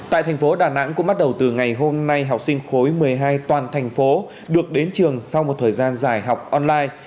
tại thành phố đà nẵng cũng bắt đầu từ ngày hôm nay học sinh khối một mươi hai toàn thành phố được đến trường sau một thời gian dài học online